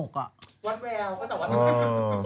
วัดแววก็จะวัดดวง